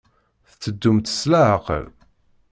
Tetteddumt s leɛqel.